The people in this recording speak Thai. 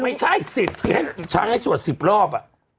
ไม่ใช่สิบยังไงช้างให้สวดสิบรอบ